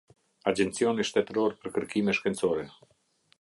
Agjencioni shtetëror për kërkime shkencore.